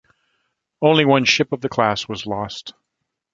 Only one ship of the class was lost.